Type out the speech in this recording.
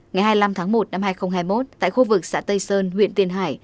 ngày hai mươi năm tháng một năm hai nghìn hai mươi một tại khu vực xã tây sơn huyện tiền hải